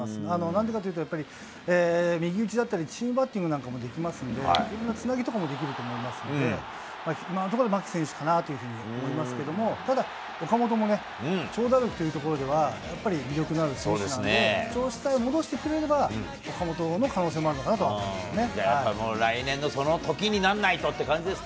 なんでかというとやっぱり、右打ちだったり、チームバッティングもできますので、つなぎとかもできると思いますので、僕は牧選手かなと思いますけど、ただ、岡本も長打力というところでは、やっぱり魅力のある選手なので、調子事態、戻してくれれば、岡本の可能もあるのかなと思いますね。